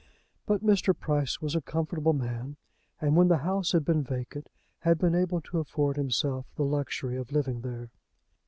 But Mr. Price was a comfortable man, and, when the house had been vacant, had been able to afford himself the luxury of living there.